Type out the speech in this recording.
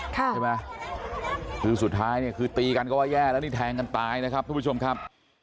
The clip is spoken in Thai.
ใช่ไหมคือสุดท้ายเนี่ยคือตีกันก็ว่าแย่แล้วนี่แทงกันตายนะครับทุกผู้ชมครับ